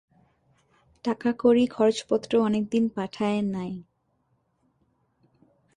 টাকাকড়ি খরচপত্র অনেকদিন পাঠায় নাই।